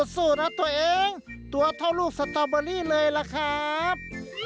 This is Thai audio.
สู้นะตัวเองตัวเท่าลูกสตอเบอรี่เลยล่ะครับ